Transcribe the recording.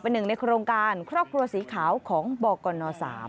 หนึ่งในโครงการครอบครัวสีขาวของบกน๓